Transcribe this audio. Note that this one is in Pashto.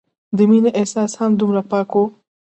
د مينې احساس هم دومره پاک وو